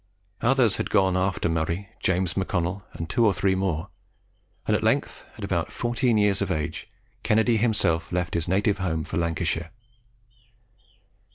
Others had gone after Murray, James MacConnel and two or three more; and at length, at about fourteen years of age, Kennedy himself left his native home for Lancashire.